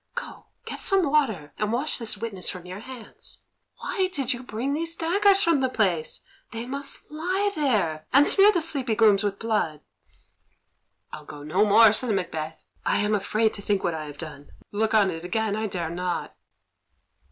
Go, get some water, and wash this witness from your hands. Why did you bring these daggers from the place? They must lie there. And smear the sleepy grooms with blood." "I'll go no more," said Macbeth. "I am afraid to think what I have done; look on it again I dare not."